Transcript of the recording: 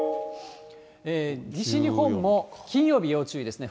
西日本も金曜日、要注意ですね。